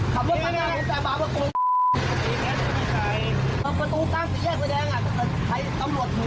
ตรงนี้ตรงนี้เค้ามาปาดผมอยู่